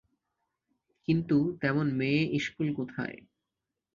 কিন্তু তেমন মেয়ে-ইস্কুল কোথায়?